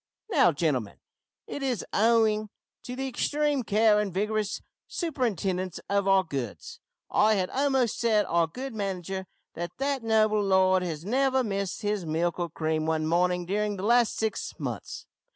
Now, gentlemen, it is owing to the extreme care and vigorous superintendence of our goods I had almost said our good manager that that noble lord has never missed his milk or cream one morning during the last six months.